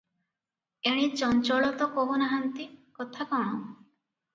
ଏଣେ ଚଞ୍ଚଳ ତ କହୁ ନାହାନ୍ତି, କଥା କଣ?